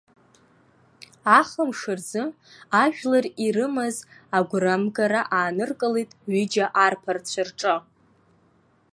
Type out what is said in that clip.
Ахымш рзы ажәлар ирымаз агәрамгара ааныркылт ҩыџьа арԥарцәа рҿы.